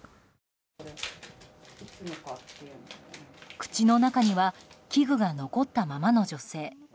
口の中には器具が残ったままの女性。